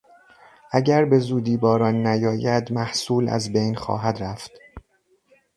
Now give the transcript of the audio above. اگر بزودی باران نیاید محصول از بین خواهد رفت.